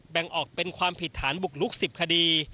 แบ่งออกเป็นความผิดฐานบุกลุก๑๐คดี